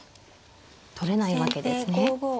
取れないわけですね。